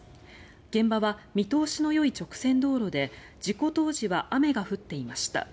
現場は見通しのいい直線道路で事故当時は雨が降っていました。